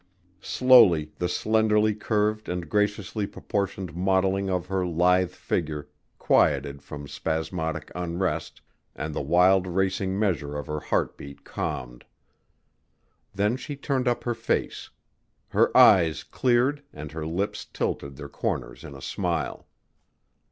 Slowly the slenderly curved and graciously proportioned modeling of her lithe figure quieted from spasmodic unrest and the wild racing measure of her heart beat calmed. Then she turned up her face. Her eyes cleared and her lips tilted their corners in a smile.